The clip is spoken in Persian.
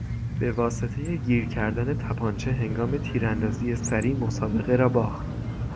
به واسطهی گیر کردن تپانچه هنگام تیراندازی سریع، مسابقه را باخت.